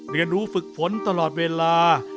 เรียนรู้ฝึกฝนตลอดเวลา